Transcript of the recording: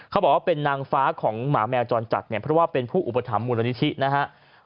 เขาบอกว่าเป็นนางฟ้าของหมาแมวจรจัดเนี่ยเพราะว่าเป็นผู้อุปถัมภมูลนิธินะครับ